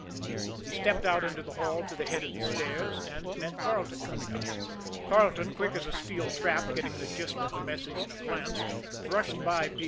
He stepped out into the hall to the head of the stairs and met Carleton coming up. Carleton, quick as a steel trap, getting the gist of the message in a glance, brushed by P.